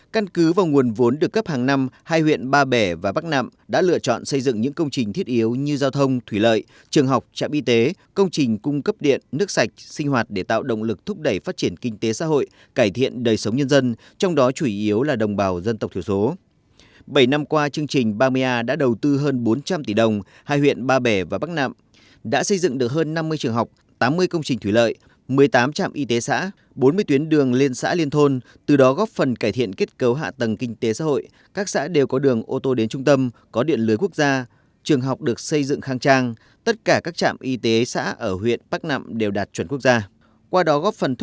căn cứ và nguồn vốn được cấp hàng năm hai huyện ba bẻ và bắc nạm đã lựa chọn xây dựng những công trình thiết yếu như giao thông thủy lợi trạm y tế công trình cung cấp điện nước sạch sinh hoạt để tạo động lực thúc đẩy phát triển kinh tế xã hội trong đó chủ yếu là đồng bào dân tộc thiết yếu như giao thông thủy lợi trạm y tế công trình cung cấp điện nước sạch sinh hoạt để tạo động lực thúc đẩy phát triển kinh tế xã hội trong đó chủ yếu là đồng bào dân tộc thiết yếu